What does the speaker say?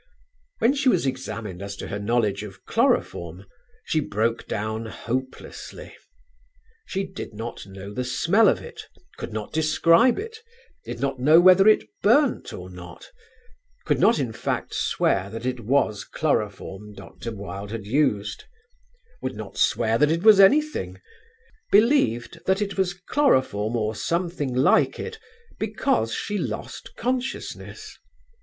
When she was examined as to her knowledge of chloroform, she broke down hopelessly. She did not know the smell of it; could not describe it; did not know whether it burnt or not; could not in fact swear that it was chloroform Dr. Wilde had used; would not swear that it was anything; believed that it was chloroform or something like it because she lost consciousness.